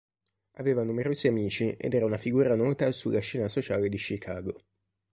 Aveva numerosi amici ed era una figura nota sulla scena sociale di Chicago.